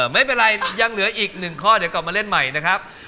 ไม่เป็นไรยังเหลืออีกหนึ่งข้อเดี๋ยวกลับมาเล่นใหม่นะครับ